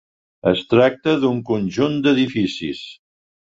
Es tracta d'un conjunt d'edificis.